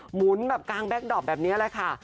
หมุนแบบกลางแก๊กดอปแบบนี้แหละค่ะ